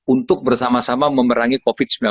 untuk bersama sama memerangi covid